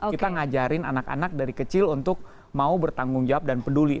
kita ngajarin anak anak dari kecil untuk mau bertanggung jawab dan peduli